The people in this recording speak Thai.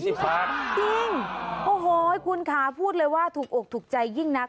จริงโอ้โหคุณค่ะพูดเลยว่าถูกอกถูกใจยิ่งนัก